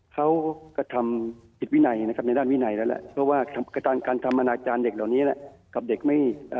เขากระทำผิดวินัยนะครับในด้านวินัยแล้วแหละเพราะว่าการทำอนาจารย์เด็กเหล่านี้แหละกับเด็กไม่